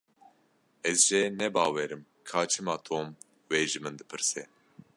Ez jê nebawerim ka çima Tom wê ji min dipirse.